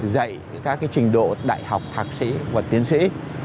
dạy các trình độ đại học thạc sĩ và tiến sĩ